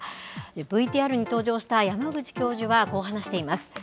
ＶＴＲに登場した山口教授は、こう話しています。